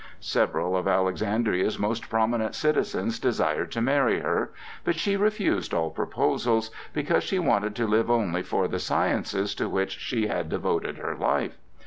Several of Alexandria's most prominent citizens desired to marry her, but she refused all proposals because she wanted to live only for the sciences to which she had devoted her life.